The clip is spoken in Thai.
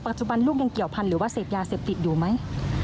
จุบันลูกยังเกี่ยวพันธ์หรือว่าเสพยาเสพติดอยู่ไหม